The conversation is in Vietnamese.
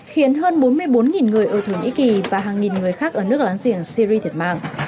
khiến hơn bốn mươi bốn người ở thổ nhĩ kỳ và hàng nghìn người khác ở nước láng giềng syri thiệt mạng